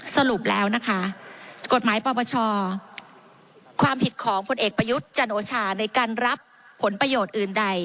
สรุปแล้วนะคะกฎหมายปปชความผิดของผลเอกประยุทธ์จันโอชาในการรับผลประโยชน์อื่นใด